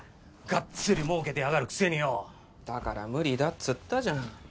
ガッツリもうけてやがるくせによだから無理だっつったじゃん